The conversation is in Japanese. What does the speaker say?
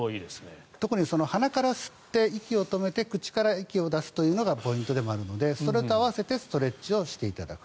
特に鼻から吸って息を止めて口から息を出すというのがポイントでもあるのでそれと合わせてストレッチをしていただく。